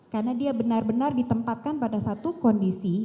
karena dia benar benar ditempatkan pada satu kondisi